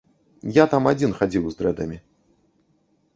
Я там адзін хадзіў з дрэдамі.